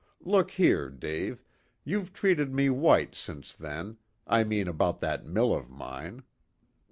Look here, Dave, you've treated me 'white' since then I mean about that mill of mine.